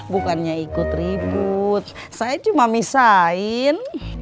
bukannya ikut ribut saya cuma misain